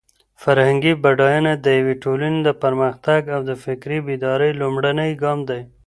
فرهنګي بډاینه د یوې ټولنې د پرمختګ او د فکري بیدارۍ لومړنی ګام دی.